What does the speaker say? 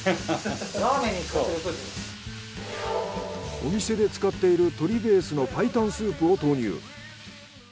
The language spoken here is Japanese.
お店で使っている鶏ベースの白湯スープを投入。